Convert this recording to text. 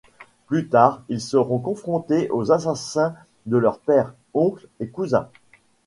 Plus tard, ils seront confrontés aux assassins de leurs pères, oncles et cousins.